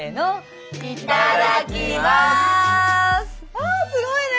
わあすごいね。